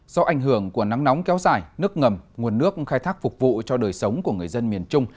do ảnh hưởng của nắng nóng kéo dài nước ngầm nguồn nước khai thác phục vụ cho đời sống của người dân miền trung